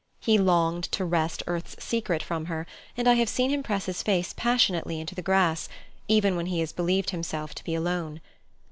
He longed to wrest earth's secret from her, and I have seen him press his face passionately into the grass, even when he has believed himself to be alone.